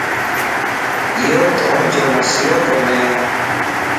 ايو توجو مسئلو ڪوني